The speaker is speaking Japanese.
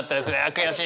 悔しい！